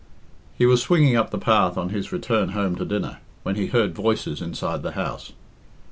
He was swinging up the path on his return home to dinner, when he heard voices inside the house.